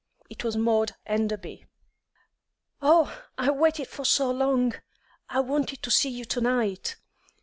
It was Maud Enderby. "Oh, I have waited so long! I wanted to see you to night."